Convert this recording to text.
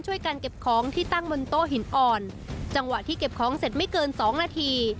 การเก็บของที่ตั้งบนโต๊ะหินอ่อนจังหวะที่เก็บของเสร็จไม่เกินสองนาที